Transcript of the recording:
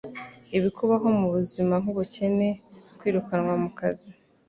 Ibikubaho mu buzima nk'ubukene, kwirukanwa ku kazi,